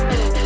nama asli gue